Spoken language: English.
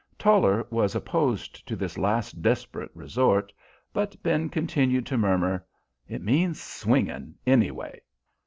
Toller was opposed to this last desperate resort, but Ben continued to murmur, "It means swinging, anyway."